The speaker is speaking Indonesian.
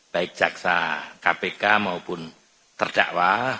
baik jaksa kpk maupun terdakwa